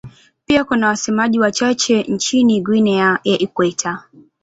Pia kuna wasemaji wachache nchini Guinea ya Ikweta.